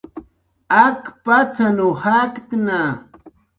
Ak patzanw jaktna